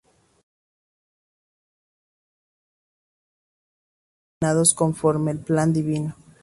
Hombre y cosmos interactúan y están ordenados conforme al plan divino.